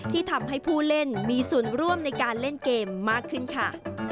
ที่ทำให้ผู้เล่นมีส่วนร่วมในการเล่นเกมมากขึ้นค่ะ